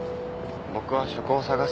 僕は職を探す。